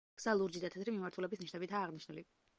გზა ლურჯი და თეთრი მიმართულების ნიშნებითაა აღნიშნული.